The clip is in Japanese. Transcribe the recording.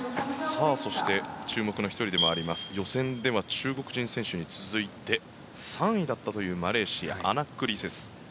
そして注目の１人でもあります予選では中国人選手に続いて３位だったというマレーシア、アナックリセス。